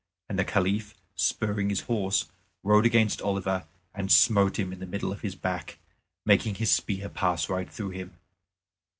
And the Caliph, spurring his horse, rode against Oliver and smote him in the middle of his back, making his spear pass right through him.